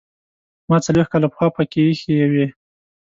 ما څلوېښت کاله پخوا پکې ایښې وې.